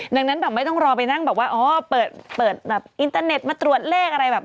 ดังนั้นไม่ต้องรอไปนั่งเปิดอินเตอร์เน็ตมาตรวจเลขอะไร